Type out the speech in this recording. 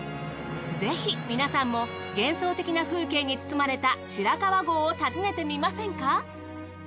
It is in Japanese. ぜひ皆さんも幻想的な風景に包まれた白川郷を訪ねてみませんか？